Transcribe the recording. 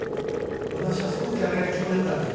私はすごくあれが気になったんです。